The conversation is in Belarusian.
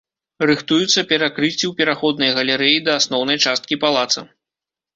Рыхтуюцца перакрыцці ў пераходнай галерэі да асноўнай часткі палаца.